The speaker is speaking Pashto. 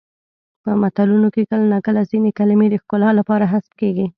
په متلونو کې کله ناکله ځینې کلمې د ښکلا لپاره حذف کیږي